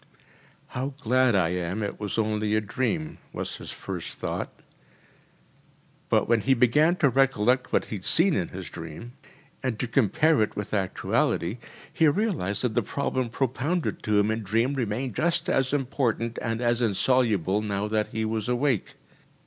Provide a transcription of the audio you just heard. “How glad I am that it was only a dream,‚ÄĚ was his first thought. But when he began to recollect what he had seen in his dream, and to compare it with actuality, he realised that the problem propounded to him in dream remained just as important and as insoluble now that he was awake.